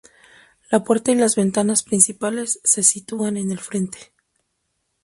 La puerta y las ventanas principales se sitúan en el frente.